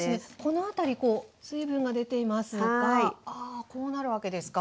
この辺りこう水分が出ていますがあこうなるわけですか。